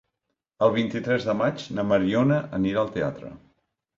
El vint-i-tres de maig na Mariona anirà al teatre.